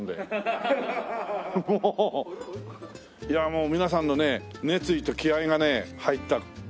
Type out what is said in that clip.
いやもう皆さんのね熱意と気合がね入った。